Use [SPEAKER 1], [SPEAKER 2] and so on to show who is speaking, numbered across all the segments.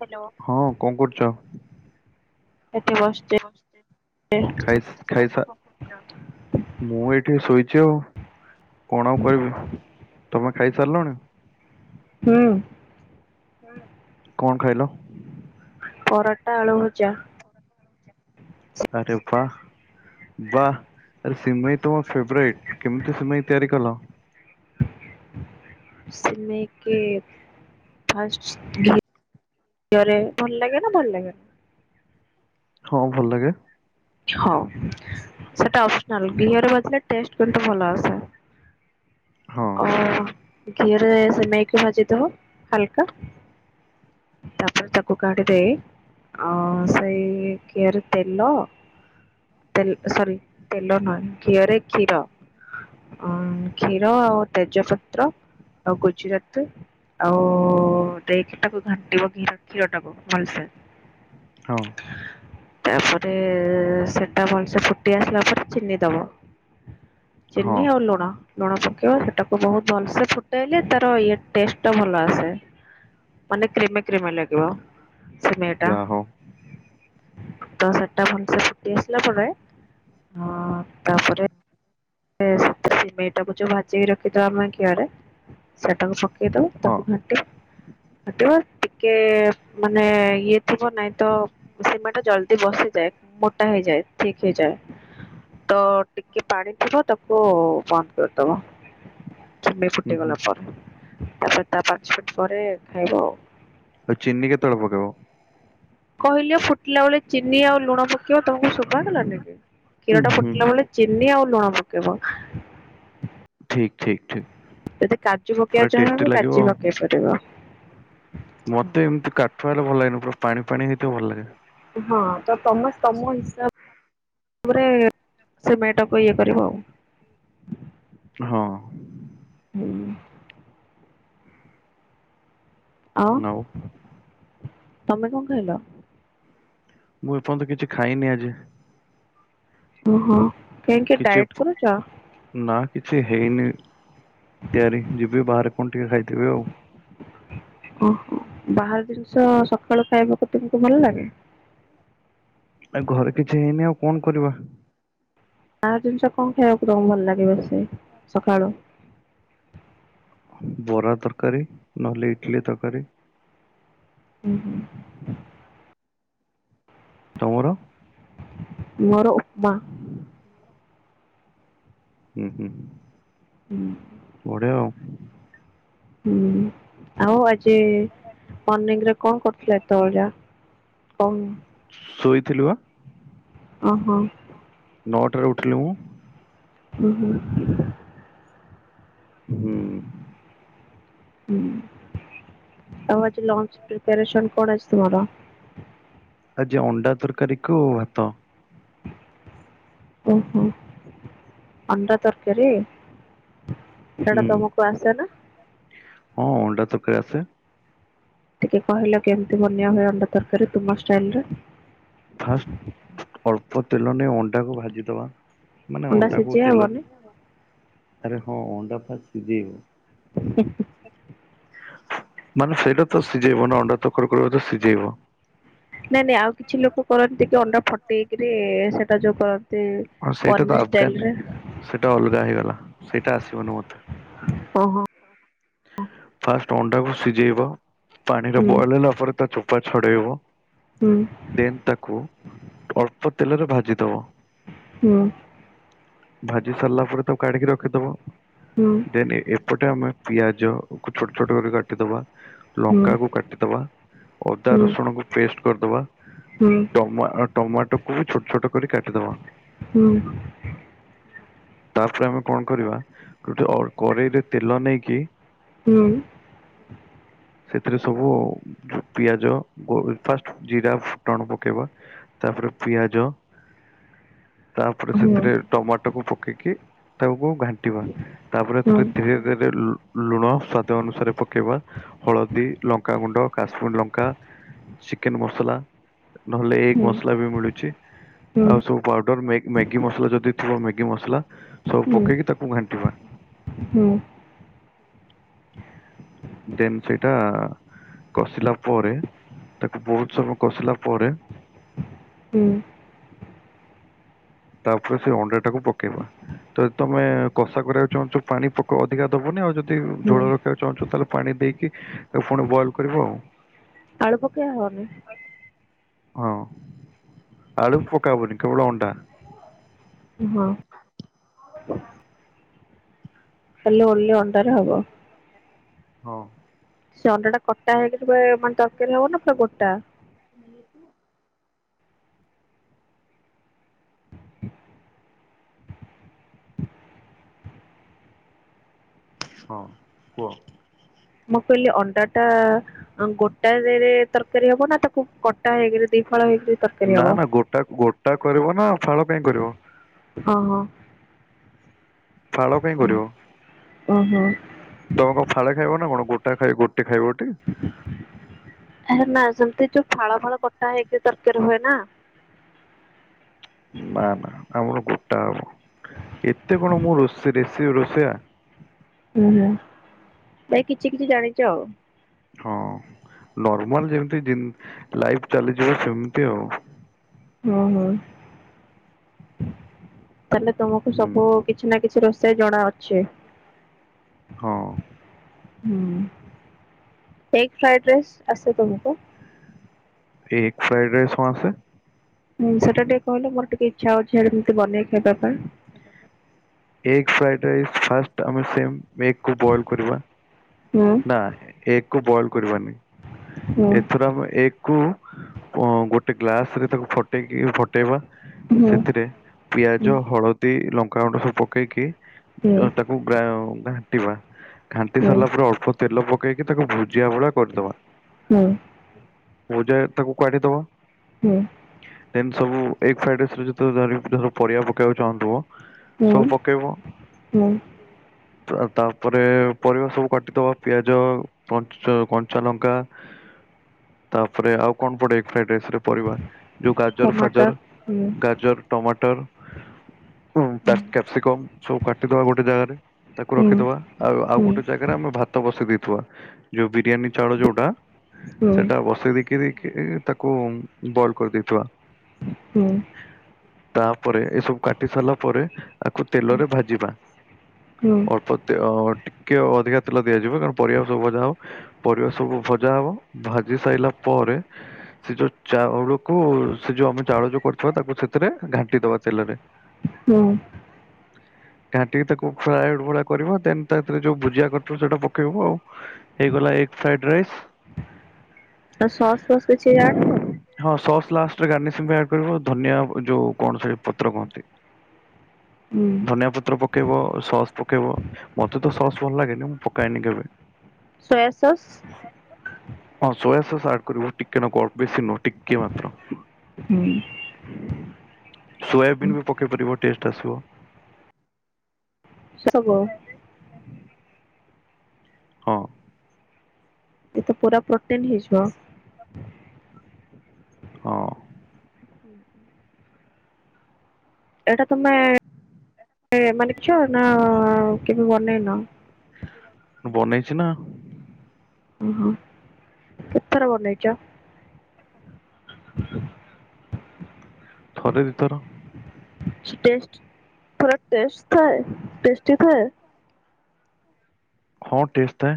[SPEAKER 1] Hello ହଁ କଣ କରୁଚ?
[SPEAKER 2] ଏଠି ବସିଛି
[SPEAKER 1] ଏନା ବସଚି ଖାଇ ଖାଇସା ମୁଁ ଏଇଠି ଶୋଇଚି ଆଉ। କଣ ଆଉ କଇବି ତମେ ଖାଇସାରିଲଣି?
[SPEAKER 2] ହୁଁ।
[SPEAKER 1] କଣ ଖାଇଲ?
[SPEAKER 2] ପରଟା ଆଳୁ ଭଜା।
[SPEAKER 1] ଆରେ ବା। ବା ଏ ସିମେଇ ତ ମୋ ଫେବରାଇଟ, କେମିତି ସିମେଇ ତିଆରି କଲ?
[SPEAKER 2] ଟିକେ ଫାଷ୍ଟ ଭ [unintelligible] କରେ ଭଲ ଲାଗେ ନା ଭଲ ଲାଗେନି।
[SPEAKER 1] ହଁ ଭଲ ଲାଗେ।
[SPEAKER 2] ହଁ ସେଟା ଅପସନାଲ ଘିଅ ରେ ଭାଜିଲେ ଟେଷ୍ଟ କିନ୍ତୁ ଭଲ ଆସେ।
[SPEAKER 1] ହଁ
[SPEAKER 2] ଅ ଘିଅରେ ସିମେଇ କୁ ଭାଜି ଦବ ହାଲକା ତାପରେ ତାକୁ କାଢି ଦେଇ ଅ ସେଇ ଘିଅରେ ତେଲ ତେଲ ସରି ତେଲ ନୁହେଁ ଘିଅରେ କ୍ଷୀର ଅଁ କ୍ଷୀର ଆଉ ତେଜପତ୍ର ଆଉ ଗୁଜୁରାତୁ ଆଉ ଦେଇକି ତାକୁ ଘାଣ୍ଟିବ ଘିର କ୍ଷୀର ଟାକୁ ଭଲସେ
[SPEAKER 1] ହଁ।
[SPEAKER 2] ତାପରେ ସେଟା ଭଲସେ ଫୁଟି ଆସିଲା ପରେ ଚିନି ଦବ
[SPEAKER 1] ହଁ
[SPEAKER 2] ଚିନି ଆଉ ଲୁଣ ଲୁଣ ପକେଇବ ସେଟାକୁ ବହୁତ ଭଲସେ ଫୁଟାଇଲେ ତାର ଇଏ ଟେଷ୍ଟ ଭଲ ଆସେ। ମାନେ କ୍ରିମି କ୍ରିମି ଲାଗିବ। ସିମେଇଟା
[SPEAKER 1] ଯାହା ହଉ
[SPEAKER 2] ତ ସେଟା ଭଲ ସେ ଫୁଟି ଆସିଲା ପରେ ତାପରେ ଏ ସିମେଇଟାକୁ ଯୋଉ ଭାଜିକି ରଖିଥିଆ ଆମେ ଘିଅରେ ସେଟାକୁ ପକେ ଇ ଦବା
[SPEAKER 1] ହଁ
[SPEAKER 2] ତାକୁ ଘାଣ୍ଟି ଘାଣ୍ଟିବା ଟିକେ ମାନେ ଇଏ ଥିବ ନାଇଁ ତ ସିମେ ଟା ଜଲ୍ଦି ବସି ଯାଏ ମୋଟା ହେଇଯାଏ ଥିକ ହେଇଯାଏ। ତ ଟିକେ ପାଣି ଥିବ ତାକୁ ବନ୍ଦ କରି ଦବ ଚିମୀ
[SPEAKER 1] ହୁଁ ହୁଁ
[SPEAKER 2] ଫୁଟିଗଲା ପରେ। ତାପରେ ତା ପାଞ୍ଚ ମିନିଟ୍ ପରେ ଖାଇବ ଆଉ।
[SPEAKER 1] ଆଉ ଚିନି କେତଳେ ପକେଇବ?
[SPEAKER 2] କହିଲ ଫୁଟିଲା ବେଳେ ଚିନି ଆଉ ଲୁଣ ପକେଇବ ତମକୁ ଶୁଭା ଗଲାନି କି
[SPEAKER 1] ଉଁ
[SPEAKER 2] କ୍ଷୀର ଟା
[SPEAKER 1] ହୁଁ
[SPEAKER 2] ଫୁଟିଲା ବେଳେ ଚିନି ଆଉ ଲୁଣ ପକେଇବ।
[SPEAKER 1] ଠିକ୍ ଠିକ୍ ଠିକ୍।
[SPEAKER 2] ତତେ କାଜୁ ପକେଇବା ଚାଁହବ କାଜୁ
[SPEAKER 1] ଆଉ
[SPEAKER 2] ପକେଇପାରିବ।
[SPEAKER 1] ମତେ ଏମିତି କାଠୁଆ ହେଲେ ଭଲ ଲାଗେନି ପୁରା ପାଣି ପାଣି ହେଇଥିବ ଭଲ ଲାଗେ।
[SPEAKER 2] ହଁ ତ ତମେ ତମ ହିସାବ ତାପରେ ସିମେଟାକୁ ଇଏ କରିବ ଆଉ।
[SPEAKER 1] ହ [inaudible] ହଁ।
[SPEAKER 2] ହୁଁ। ଆ
[SPEAKER 1] ଆଉ
[SPEAKER 2] ତମେ କଣ ଖାଇଲ?
[SPEAKER 1] ମୁଁ ଏପର୍ଯ୍ୟନ୍ତ କିଛି ଖାଇନି ଆଜି।
[SPEAKER 2] ଓ ହୋ।
[SPEAKER 1] କିଛି ପ-ନା କିଛି ହେଇନି। ତିଆରି ଯିବି ବାହାରେ କଣ ଟିକେ ଖାଇଦେବି ଆଉ।
[SPEAKER 2] ଓହୋ, ବାହାର ଜିନିଷ ସକାଳୁ ଖାଇବାକୁ ତୁମକୁ ଭଲ ଲାଗେ?
[SPEAKER 1] ଆ, ଘରେ କିଛି ହେଇନି ଆଉ କଣ କରିବା?
[SPEAKER 2] ବାହାର ଜିନିଷ କଣ ଖାଇବାକୁ ତୋମକୁ ଭଲ ଲାଗିବ ସେ ସକାଳୁ?
[SPEAKER 1] ବରା ତରକାରୀ ନହେଲେ ଇଟଲି ତରକାରୀ।
[SPEAKER 2] ହୁଁ। ହୁଁ।
[SPEAKER 1] ତୋମର?
[SPEAKER 2] ମୋର ଉପମା।
[SPEAKER 1] ଉଁ, ହୁଁ, ହୁଁ।
[SPEAKER 2] [unintelligible]
[SPEAKER 1] ବଢିଆ ଆଉ।
[SPEAKER 2] ହୁଁ, ଆଉ ଆଜି ମନିଙ୍ଗ ରେ କଣ କରୁଥିଲେ ଏତେବେଳ ଯା? [unintelligible]
[SPEAKER 1] ଶୋଇଥିଲି ବା
[SPEAKER 2] ଓ ହଁ।
[SPEAKER 1] ନଅଟାରେ ଉଠିଲି ମୁଁ।
[SPEAKER 2] ଓ ହଁ।
[SPEAKER 1] ହୁଁ।
[SPEAKER 2] ହ ହୁଁ, ଆଉ ଆଜି ଲଞ୍ଚ ପ୍ରିପାରେସନ୍ କଣ ଆଜି ତୁମର?
[SPEAKER 1] ଆଜି ଅଣ୍ଡା ତରକାରୀ କୁୁ ଭାତ।
[SPEAKER 2] ଓହୋ, ଅଣ୍ଡା ତରକାରୀ?
[SPEAKER 1] ହୁଁ
[SPEAKER 2] ସେଟା ତୋମକୁ ଆସେ ନା?
[SPEAKER 1] ହଁ ଅଣ୍ଡା ତରକାରୀ ଆସେ।
[SPEAKER 2] ଟିକେ କହିଲ କେମତି ବନିଆ ହୁଏ ଅଣ୍ଡା ତରକାରୀ ତୁମ ଷ୍ଟାଇଲ୍ ରେ?
[SPEAKER 1] ଫାଷ୍ଟ ଅଳ୍ପ ତେଲ ନେଇ ଅଣ୍ଡାକୁ ଭାଜିଦବା। ମାନେ
[SPEAKER 2] ଅଣ୍ଡା
[SPEAKER 1] ଅଣ୍ଡାକୁ
[SPEAKER 2] ସିଜା
[SPEAKER 1] ତେଲ
[SPEAKER 2] ହବନି?
[SPEAKER 1] ଆରେ ହଁ ଅଣ୍ଡା ଫା [inaudible] ସିଜେଇବ।
[SPEAKER 2] ହଁ, ହଁ।
[SPEAKER 1] ମାନେ ସେଇଟା ତ ସିଜେଇବ ନା ଅଣ୍ଡା ତ କଣ କରିବ ନା ତାକୁ ସିଜେଇବ।
[SPEAKER 2] ନାଇଁ ନାଇଁ ଆଉ କିଛି ଲୋକ କରନ୍ତି କି ଅଣ୍ଡା ଫଟେଇକିରି ସେଟା ଯୋଉ କରନ୍ ତି
[SPEAKER 1] ହଁ ସେଇଟା ତ
[SPEAKER 2] ପନିର୍ ଷ୍ଟାଇଲ୍
[SPEAKER 1] ଆଫଗାନ
[SPEAKER 2] ରେ।
[SPEAKER 1] ସେଇଟା ଅଲଗା ହେଇଗଲା। ସେଇଟା ଆସିବନି ମୋତେ।
[SPEAKER 2] ଓ ହଁ।
[SPEAKER 1] ଫାଷ୍ଟ ଅଣ୍ଡାକୁ ସିଜେଇବ ପାଣିରେ
[SPEAKER 2] ହଁ
[SPEAKER 1] ବଏଲ୍ ହେଲା ପରେ ତା ଚୋପା ଛଡେଇବ।
[SPEAKER 2] ହୁଁ।
[SPEAKER 1] ଦେନ୍ ତାକୁ ଅଳ୍ପ ତେଲରେ ଭାଜିଦବ।
[SPEAKER 2] ହଁ।
[SPEAKER 1] ଭାଜି ସାରିଲା ପରେ ତକୁ କାଢିକି ରଖିଦବ।
[SPEAKER 2] ହଁ।
[SPEAKER 1] ଦେନ୍ ଏ- ଏପଟେ ଆମେ ପିଆଜ କୁ ଛୋଟ ଛୋଟ କରି କାଟିଦବା।
[SPEAKER 2] ହୁଁ ହୁଁ
[SPEAKER 1] ଲଙ୍କା କୁ କାଟିଦବା, ଅଦା
[SPEAKER 2] ହୁଁ
[SPEAKER 1] ରସୁଣ କୁ ପେଷ୍ଟ କରିଦବା।
[SPEAKER 2] ହୁଁ
[SPEAKER 1] ଟମା- ଅ ଟମାଟୋ କୁ ଛୋଟ ଛୋଟ କରି କାଟିଦବା।
[SPEAKER 2] ହଁ।
[SPEAKER 1] ତାପରେ ଆମେ କଣ କରିବା ଗୋଟେ ଅ, କରେଇରେ ତେଲ ନେଇକି
[SPEAKER 2] ହୁଁ।
[SPEAKER 1] ସେଥିରେ ସବୁ ପିଆଜ ଫାଷ୍ଟ ଜିରା ଫୁଟଣ ପକେଇବା। ତାପରେ ପିଆଜ। ତାପରେ
[SPEAKER 2] ହୁଁ ହୁଁ
[SPEAKER 1] ସେଥିରେ ଟମାଟୋକୁ ପକେଇକି ତାକୁ ଘାଣ୍ଟି ଯିବା ତାପରେ ଧୀରେ ଧୀରେ ଲୁଣ ସ୍ଵାଦ ଅନୁସାରେ ପକେଇବା ହଳଦୀ ଲଙ୍କାଗୁଣ୍ଡ କାଶ୍ମୀର ଲଙ୍କା। ଚିକେନ୍‌ ମସଲା ନହେଲେ ଏଗ୍
[SPEAKER 2] ହୁଁ
[SPEAKER 1] ମସଲା ବି ମିଳୁଛି। ଆଉ ସବୁ ପାଉଡର ମ୍ୟାଗି ମସଲା ଯଦି ଥିବ ମ୍ୟାଗି ମସଲା ସବୁ ପକେଇକି ତାକୁ ଘାଣ୍ଟିବା।
[SPEAKER 2] ହୁଁ।
[SPEAKER 1] ଦେନ୍ ସେଇଟା କସିଲା ପରେ ତାକୁ ବହୁତ ସମୟ କସିଲା ପରେ
[SPEAKER 2] ହୁଁ।
[SPEAKER 1] ତାପରେ ସେ ଅଣ୍ଡା ଟାକୁ ପକେଇବା। ତ ତମ୍ ତମେ କଷା କରିବାକୁ ଚାହୁଁଛ ପାଣି ପକ ଅଧିକା ଦବନି। ଆଉ ଯଦି ଝୋଳ ରଖିବାକୁ ଚାହୁଁଛୁ ତାହେଲେ ପାଣି ଦେଇକି ତାକୁ ପୁଣି ବଏଲ୍ କରିବ ଆଉ।
[SPEAKER 2] ଆଳୁ ପକେଇ ହବନି।
[SPEAKER 1] ହଁ ଆଳୁ ପକାବନି କେବଳ ଅଣ୍ଡା।
[SPEAKER 2] ହଁ। ଖାଲି ଓନ୍‌ଲି ଅଣ୍ଡା ରେ ହବ।
[SPEAKER 1] ହଁ।
[SPEAKER 2] ସେ ଅଣ୍ଡା ଟା କଟା ହେଇକି ଯେତେଳେ ମାନେ ତରକାରୀ ହବ ନା ପୁରା ଗୋଟା?
[SPEAKER 1] କାଲି ଆସିବୁ? ହଁ କୁହ?
[SPEAKER 2] ମୁଁ କହିଲି ଅଣ୍ଡା ଟା ଗୋଟାରେ ତରକାରୀ ହବ ନା ତାକୁ କଟା ହେଇକିରି ଦି ଫାଳ ହେଇକିରି ତରକାରୀ
[SPEAKER 1] ନା
[SPEAKER 2] ହବ
[SPEAKER 1] ନା ଗୋଟା ଗୋଟା କରିବ ନା ଫାଳ ପାଇଁ କରିବ?
[SPEAKER 2] ହଁ ହଁ।
[SPEAKER 1] ଫାଳ କାଇଁ କରିବ?
[SPEAKER 2] ଓହୋ।
[SPEAKER 1] ତମେ କଣ ଫାଳେ ଖାଇବ ନା କଣ ଗୋଟା ଖାଇ ଗୋଟେ ଖାଇବ ଟି।
[SPEAKER 2] ଏ ନା ସେମିତି ଯୋଉ ଫାଳ ଫାଳ କଟା ହେଇକି ତରକାରୀ ହୁଏ ନା।
[SPEAKER 1] ନା ନା ଆମର ଗୋଟା ହବ ଏତେ କଣ ମୁଁ ରୋଷେଇରେଷେଇ ରୋଷେଇଆ?
[SPEAKER 2] ହୁଁ ହୁଁ ଭାଇ କିଛି କିଛି ଜାଣିଚ ଆଉ।
[SPEAKER 1] ହଁ ନର୍ମାଲ ଯେମିତି ଦିନ୍ ଲାଇଫ୍ ଚାଲିଯିବ ସେମିତି ଆଉ।
[SPEAKER 2] ହୁଁ ହୁଁ ତାହେଲେ ତୁମକୁ
[SPEAKER 1] ହୁଁ
[SPEAKER 2] ସବୁ କିଛି ନା କିଛି ରୋଷେଇ ଜଣା ଅଛି।
[SPEAKER 1] ହଁ।
[SPEAKER 2] ହୁଁ ଏଗ୍ ଫ୍ରାଏ ରାଇସ୍‌ ଆସେ ତୁମକୁ?
[SPEAKER 1] ଏ ଫ୍ରାଇଡ୍‌ ରାଇସ୍‌ ହଁ ଆସେ।
[SPEAKER 2] ହୁଁ ସେଟା ଟିକେ କହିଲେ ମୋର ଟିକେ ଇଚ୍ଛା ଅଛି ଏମିତି ବନେଇ ଖାଇବା ପାଇଁ।
[SPEAKER 1] ଏଗ୍ ଫ୍ରାଏଡ୍‌ ରାଇସ୍‌ ଫାଷ୍ଟ ଆମେ ସେମ୍ ଏଗ୍ କୁ ବଏଲ୍ କରିବା।
[SPEAKER 2] ହୁଁ।
[SPEAKER 1] ନା ଏଗ୍ କୁ ବଏଲ୍ କରିବାନି
[SPEAKER 2] ହୁଁ
[SPEAKER 1] ଏଥର ଆମେ ଏ ହୁଁ ଙ୍କ ଗୋଟେ ଗ୍ଲାସ୍ ରେ ତାକୁ ଫ ଫଟେଇକି ଫଟେଇବା
[SPEAKER 2] ହୁଁ
[SPEAKER 1] ସେଥିରେ
[SPEAKER 2] ହୁଁ
[SPEAKER 1] ପିଆଜ ହଳ ଦି ଲଙ୍କା ଗୁଣ୍ଡ ସବୁ ପକେଇକି
[SPEAKER 2] ହୁଁ
[SPEAKER 1] ତ ତାକୁ ଗ୍ରାଉ ଟିବା ଘାଣ୍ଟି
[SPEAKER 2] ହୁଁ
[SPEAKER 1] ସାର୍ଲା ପରେ ଅଳ୍ପ ତେଲ ପକେଇକି ତାକୁ ଭୁଜିଆ ଭଳିଆ କର୍ଦବା।
[SPEAKER 2] ହୁଁ
[SPEAKER 1] ଭଜା ତାକୁ କାଢି ଦବା
[SPEAKER 2] ହୁଁ।
[SPEAKER 1] ଯେନ୍ତି ସବୁ ଏଗ୍ ଫ୍ରାଇଡ୍ ଧରିତ୍ର ସବୁ ପରିବା ପକବାକୁ ଚାହୁଁଥିବ
[SPEAKER 2] ହୁଁ
[SPEAKER 1] ସବୁ ପକେଇବ
[SPEAKER 2] ହୁଁ
[SPEAKER 1] ତା ତାପରେ ପରିବା ସବୁ କାଟିଦବା ପିଆଜ ପଞ୍ଚା କଞ୍ଚା ଲଙ୍କା। ତାପରେ ଆଉ କଣ ପଡେ ଏଗ୍ ଫ୍ରାଇଡ୍ ରାଇସ୍ ରେ ପରିବା ଯୋଉ ଗାଜର୍
[SPEAKER 2] ଟମାଟର
[SPEAKER 1] ଫାଜର୍
[SPEAKER 2] ହୁଁ
[SPEAKER 1] ଗାଜର୍ ଟମାଟର୍ [unintelligible]
[SPEAKER 2] ହୁଁ
[SPEAKER 1] କ୍ୟାପସିକମ୍ ସବୁ କାଟିଦବା ଗୋଟେ ଜାଗାରେ ତାକୁ
[SPEAKER 2] ହୁଁ
[SPEAKER 1] ରଖିଦବା ଆଉ ଆଉ
[SPEAKER 2] ହୁଁ
[SPEAKER 1] ଗୋଟେ ଜାଗାରେ ଆମେ ଭାତ ବସେଇ ଦେଇଥିବା ଯୋଉ ବିରିୟାନୀ ଚାଉଳ ଯୋଉଟା ସେଟା
[SPEAKER 2] ହୁଁ
[SPEAKER 1] ବସେଇ ଦେଇକିରି କି ତାକୁ ବଲ୍ କରିଦେଇଥିବା।
[SPEAKER 2] ହୁଁ।
[SPEAKER 1] ତାପରେ ଏସବୁ କାଟି ସାର୍ଲା ପରେ ତାକୁ ତେଲରେ ଭାଜିବା
[SPEAKER 2] ହୁଁ
[SPEAKER 1] ଅଳ୍ପ ତେ ଅ ଟି କିଏ ଅଧିକା ତେଲ ଦିଆଯିବ କାରଣ ପରିବା ସବୁ ଭଜା ହବ ପରିବା ସବୁ ଭଜା ହବ। ଭାଜି ସାଇଲା ପରେ
[SPEAKER 2] [unintelligible]
[SPEAKER 1] ସେ ଯୋଉ ଚାଉଳକୁ ସେ ଯୋଉ ଆମେ ଚାଉଳ ଯୋଉ କରିଥିବା ତାକୁ ସେଥିରେ ଘାଣ୍ଟି ଦବା ତେଲରେ
[SPEAKER 2] ହୁଁ।
[SPEAKER 1] କାଟିକି ତାକୁ ଫ୍ରାଏଡ୍ ଭଳିଆ କରିବ ଦେନ୍ ତା ଥିରେ ଯୋଉ ଭୁଜିଆ କ ତୁ ସେଟା ପକେଇବୁ ଆଉ ହେଇଗଲା ଏଗ୍ ଫ୍ରାଇଡ୍ ରାଇସ୍।
[SPEAKER 2] ଆଉ ଶସ୍ ଫସ୍ କିଛି ଆଣୁ।
[SPEAKER 1] ହଁ ସସ୍ ଲାଷ୍ଟ୍ରେ ଗାନେସିନ୍ ବାହାର କରିବ ଧନିଆ ଯୋଉ କଣ ସେ ପତ୍ର କହନ୍ତି?
[SPEAKER 2] ହୁଁ।
[SPEAKER 1] ଧନିଆ ପତ୍ର ପକେଇବ ସସ୍ ପକେଇବ ମତେ ତ ସସ୍ ଭଲ୍ ଲାଗେନି। ପକାଇନି କେବେ।
[SPEAKER 2] Soya sauce.
[SPEAKER 1] ହଁ ସୋୟା ସସ୍ ଆଗୁରୁ ଟିକେ ନାକୁ ଅଳ୍ପେ ବେଶୀ ନୁହେଁ। ଟିକେ ମାତ୍ର।
[SPEAKER 2] ହୁଁ।
[SPEAKER 1] ସୋୟାବିନ୍ ବି ପକେଇ ପାରିବ ଟେଷ୍ଟେ ଆସିବ।
[SPEAKER 2] ସେ ସବୁ ହବ।
[SPEAKER 1] ହଁ।
[SPEAKER 2] ଏତ ପୁରା ପ୍ରୋଟିନ୍ ହେଇଯିବ।
[SPEAKER 1] ହଁ।
[SPEAKER 2] ଏଇଟା ତୁମେ ଏ ମାନିଚ ନା ଅଁ କିନ୍ତୁ ବନେଇନ?
[SPEAKER 1] ବନେଇଚୁ ନା।
[SPEAKER 2] କେଥର ବନେଇଚ? [unintelligible]
[SPEAKER 1] ଥରେ ଦି ଥର।
[SPEAKER 2] ଟେଷ୍ଟ୍ ପୁରା ଟେଷ୍ଟ୍ ଥାଏ ଟେଷ୍ଟି ଥାଏ?
[SPEAKER 1] ହଁ ଟେଷ୍ଟ୍ ଥାଏ।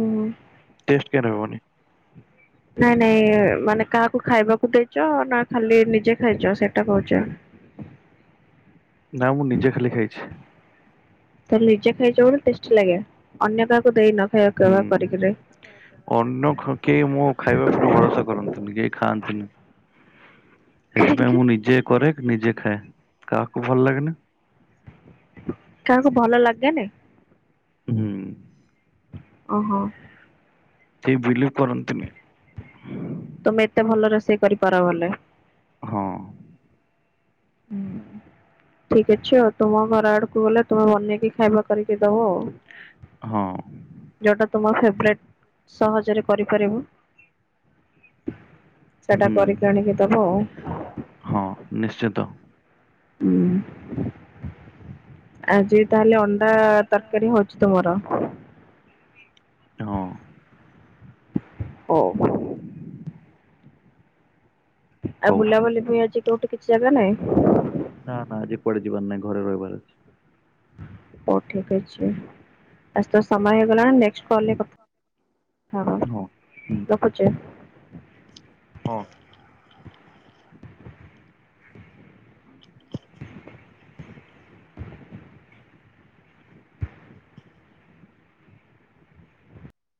[SPEAKER 2] ଉଁ ହୁଁ।
[SPEAKER 1] ସ୍କାନ ହେବନି।
[SPEAKER 2] ନାଇଁ ନାଇଁ ମାନେ କାହାକୁ ଖାଇବାକୁ ଦେଇଛ ନା ଖାଲି ନିଜେ ଖାଇଛ ସେଇଟା କହୁଛି।
[SPEAKER 1] ନା ମୁଁ ନିଜେ ଖାଲି ଖାଇଛି।
[SPEAKER 2] ଖାଲି ନିଜେ ଖାଇଛ ବୋଲି ଟେଷ୍ଟି ଲାଗେ ଅନ୍ୟ କାହାକୁ ଦେଇନ। ଖାଇବାକୁ
[SPEAKER 1] ହୁଁ।
[SPEAKER 2] ବ୍ୟବହାର କରିକିରି?
[SPEAKER 1] ଅନ୍ୟ ଖ କେହି ମୋ ଖାଇବା ଉପରେ ଭରସା କରନ୍ତିନି କେହି ଖାଆନ୍ତିନି। ସେଥିପାଇଁ
[SPEAKER 2] କାହିଁକି
[SPEAKER 1] ମୁଁ ନିଜେ କରେ ନିଜେ ଖାଏ କାହାକୁ ଭଲ ଲାଗେନି।
[SPEAKER 2] କାହାକୁ ଭଲ ଲାଗେନି?
[SPEAKER 1] ହୁଁ।
[SPEAKER 2] ଅ ହଁ।
[SPEAKER 1] କେହି ବିଲିଭ କରନ୍ତିନି।
[SPEAKER 2] ତମେ ଏତେ ଭଲ ରୋଷେଇ କରିପାର ବୋଲି।
[SPEAKER 1] ହଁ।
[SPEAKER 2] ହୁଁ। ଠିକ୍ ଅଛି ଆଉ ତୁମ ଘର ଆଡକୁ ଗଲେ ତୁମେ ବନେଇକି ଖାଇବା କରିକି ଦବ ଆଉ।
[SPEAKER 1] ହଁ।
[SPEAKER 2] ଯୋଉଟା ତୁମ ଫେବରେଟ ସହଜରେ କରିପାରିବ। ସେଟା
[SPEAKER 1] ହୁଁ
[SPEAKER 2] କରିକି ଆଣିକି ଦବ ଆଉ।
[SPEAKER 1] ହଁ ନିଶ୍ଚିତ।
[SPEAKER 2] ହୁଁ ଆଜି ତାହେଲେ ଅଣ୍ଡା ତରକାରୀ ହଉଛି ତୁମର।
[SPEAKER 1] ହଁ।
[SPEAKER 2] ହଉ। ଆଉ
[SPEAKER 1] ହଉ
[SPEAKER 2] ବୁଲାବୁଲି ପାଇଁ ଆଜି କୋଉଠି କିଛି ଜାଗା ନାହିଁ?
[SPEAKER 1] ନା ନା ଆଜି କୁଆଡେ ଯିବାର ନାଇ ଘରେ ରହିବାର ଅଛି।
[SPEAKER 2] ହଉ ଠିକ ଅଛି। ଆଜି ତ ସମୟ ହେଇଗଲାଣି ନେକ୍ସଟ୍ କଲରେ କଥ୍ ଥା ହବା।
[SPEAKER 1] ହଁ ହୁଁ।
[SPEAKER 2] ରଖୁଛି।
[SPEAKER 1] ହଁ।